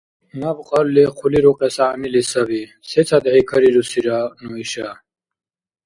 Наб кьалли хъули рукьес гӀягӀнили саби, сецадхӀи карирусира ну иша?